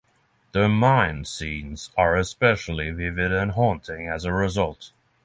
The mine scenes are especially vivid and haunting as a result.